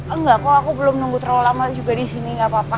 enggak kok aku belum nunggu terlalu lama juga disini gak apa apa